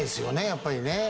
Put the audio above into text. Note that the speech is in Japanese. やっぱりね。